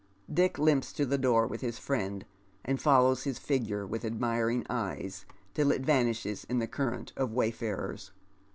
Dick hmps to the door with his friend, and follows his figure with admiring eyes till it vanishes in the current of wayfarers.